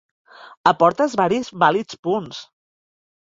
Aportes varis vàlids punts.